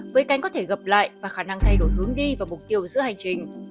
với cánh có thể gặp lại và khả năng thay đổi hướng đi và mục tiêu giữa hành trình